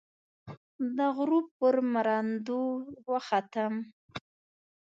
د غروب پر مراندو، وختم